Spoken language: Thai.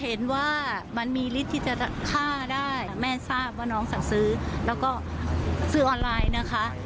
เห็นว่ามันมีฤทธิ์ที่จะฆ่าได้แม่ทราบว่าน้องสั่งซื้อแล้วก็ซื้อออนไลน์นะคะ